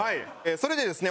それでですね